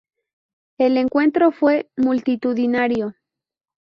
El encuentro fue multitudinario.